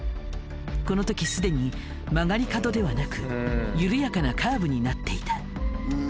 このときすでに曲がり角ではなく緩やかなカーブになっていた。